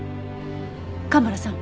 蒲原さん